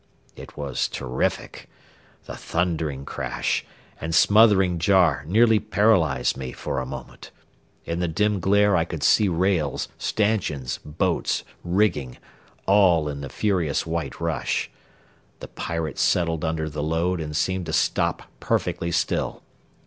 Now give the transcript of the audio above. It was terrific. The thundering crash and smothering jar nearly paralyzed me for a moment. In the dim glare I could see rails, stanchions, boats, rigging, all in the furious white rush. The Pirate settled under the load and seemed to stop perfectly still.